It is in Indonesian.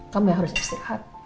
kamu yang harus istirahat